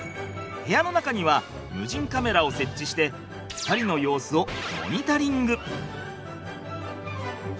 部屋の中には無人カメラを設置して２人の様子をモニタリング。